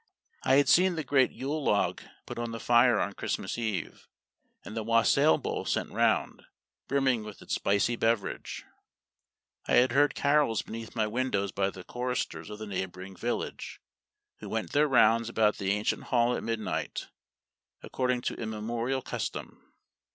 I had seen the great Yule log put on the fire on Christmas Eve, and the wassail bowl sent round, brimming with its spicy beverage. I had heard carols beneath my window by the choristers of the neighboring village, who went their rounds about the ancient Hall at midnight, according to immemorial custom.